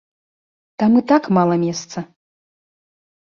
Там і так мала месца.